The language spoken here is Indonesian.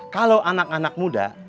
kalau anak anak muda